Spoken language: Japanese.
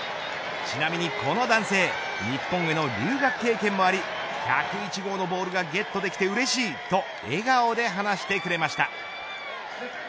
ちなみにこの男性日本への留学経験もあり１０１号のボールがゲットできてうれしいと笑顔で話してくれました。